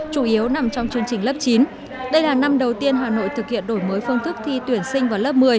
chủ yếu nằm trong chương trình lớp chín đây là năm đầu tiên hà nội thực hiện đổi mới phương thức thi tuyển sinh vào lớp một mươi